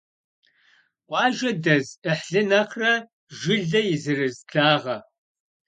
Къуажэ дэз Ӏыхьлы нэхърэ жылэ и зэрыз благъэ.